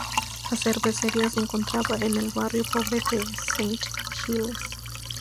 La cervecería se encontraba en el barrio pobre de St Giles.